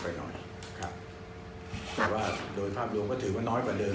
เรียนตั้งน้อยลงไปหน่อยครับแต่ว่าโดยภาพรวมก็ถือน้อยกว่าเดิม